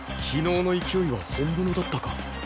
昨日の勢いは本物だったか。